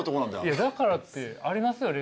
いやだからってありますよレジ。